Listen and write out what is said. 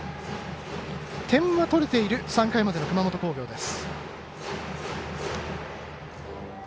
点は取れている３回までの熊本工業です。